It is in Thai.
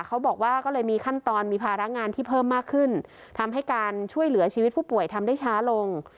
เขาบอกว่าก็เลยมีขั้นตอนมีภาระงานที่เพิ่มมากขึ้นทำให้การช่วยเหลือชีวิตผู้ป่วยทำได้ช้าลง